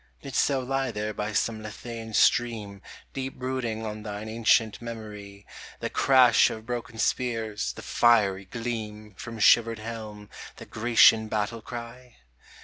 Didst thou lie there by some Lethsean stream Deep brooding on thine ancient memory, The crash of broken spears, the fiery gleam From shivered helm, the Grecian battle cry